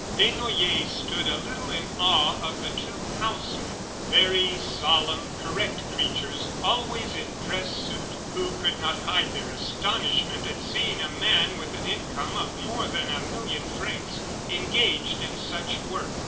Desnoyers stood a little in awe of the two house men, very solemn, correct creatures always in dress suit, who could not hide their astonishment at seeing a man with an income of more than a million francs engaged in such work.